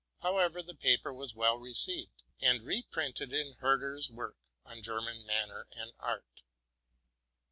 However, the paper was well received, and reprinted in Herder's work on German manner and art.